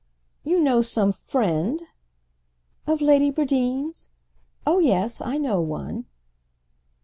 "You know some friend—?" "Of Lady Bradeen's? Oh yes—I know one."